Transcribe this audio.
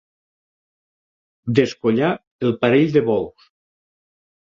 Descollar el parell de bous.